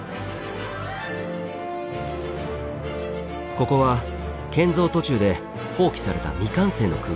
ここは建造途中で放棄された未完成の空間でした。